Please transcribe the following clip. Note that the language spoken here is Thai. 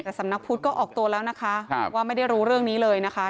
แต่สำนักพุทธก็ออกตัวแล้วนะคะว่าไม่ได้รู้เรื่องนี้เลยนะคะ